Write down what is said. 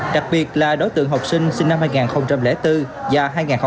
đặc biệt là đối tượng học sinh sinh năm hai nghìn bốn và hai nghìn ba